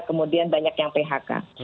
kemudian banyak yang phk